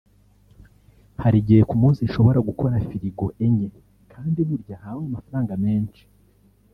Hari igihe ku munsi nshobora gukora firigo enye kandi burya habamo amafaranga menshi